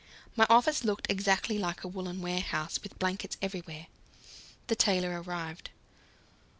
My office looked exactly like a woollen warehouse, with blankets everywhere. The tailor arrived.